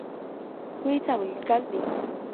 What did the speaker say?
归葬于干陵。